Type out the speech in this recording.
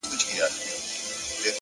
• فقير نه يمه سوالگر دي اموخته کړم ـ